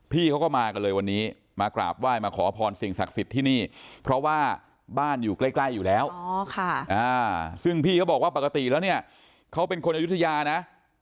พี่เขาก็มากันเลยวันนี้มากราบไหว้มาขอพรสิ่งศักดิ์สิทธิ์ที่นี่เพราะว่าบ้านอยู่ใกล้อยู่แล้วซึ่งพี่เขาบอกว่าปกติแล้วเนี่ยเขาเป็นคนอายุทยานะ